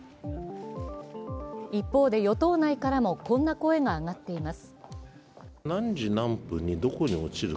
一方で、与党内からもこんな声が上がっています。